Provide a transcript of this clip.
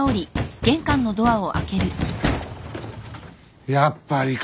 ・やっぱり楓か。